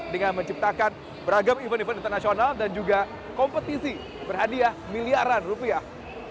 dengan menciptakan beragam event event internasional dan juga kompetisi berhadiah miliaran rupiah